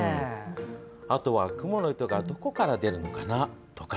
あとはクモの糸がどこから出るのかなとか